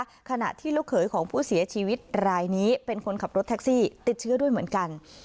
ขณะที่ลูกเขยของผู้เสียชีวิตรายนี้เป็นคนขับรถแท็กซี่ติดเชื้อด้วยเหมือนกัน